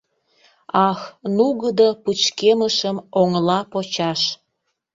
Ах, нугыдо пычкемышым оҥла почаш!..